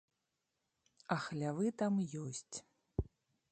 А хлявы там ёсць.